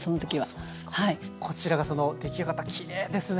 こちらがその出来上がったきれいですね。